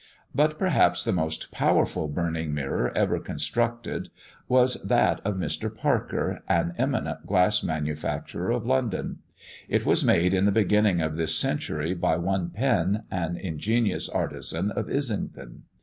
But perhaps the most powerful burning mirror ever constructed, was that of Mr. Parker, an eminent glass manufacturer of London; it was made in the begining of this century by one Penn, an ingenious artisan of Islington.